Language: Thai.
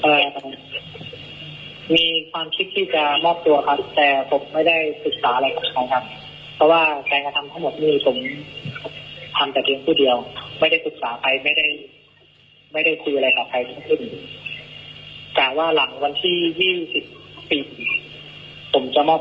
มีความคิดที่จะมอบตัวครับแต่ผมไม่ได้ศึกษาอะไรกับใครครับเพราะว่าแก่งกระทำทั้งหมดนี้ผมทำแต่เพียงผู้เดียวไม่ได้ศึกษาใครไม่ได้คุยอะไรกับใครทั้งขึ้น